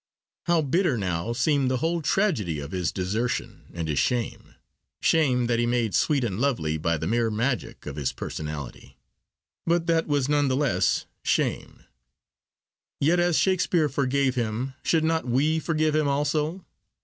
How bitter now seemed the whole tragedy of his desertion and his shame!—shame that he made sweet and lovely by the mere magic of his personality, but that was none the less shame. Yet as Shakespeare forgave him, should not we forgive him also?